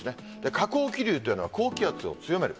下降気流というのは、高気圧を強める。